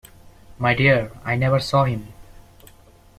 My dear, I never saw him.